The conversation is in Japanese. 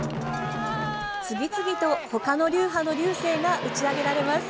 次々と他の流派の龍勢が打ち上げられます。